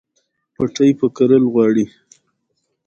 پټی به کرل غواړي